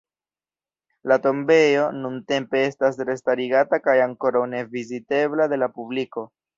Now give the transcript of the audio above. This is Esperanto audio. La tombejo nuntempe estas restarigata kaj ankoraŭ ne vizitebla de la publiko.